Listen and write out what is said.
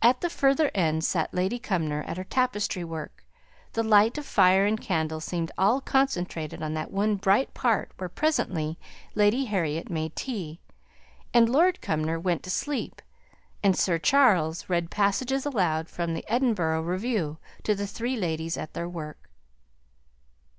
At the further end sat Lady Cumnor at her tapestry work; the light of fire and candle seemed all concentrated on that one bright part where presently Lady Harriet made tea, and Lord Cumnor went to sleep, and Sir Charles read passages aloud from the Edinburgh Review to the three ladies at their work.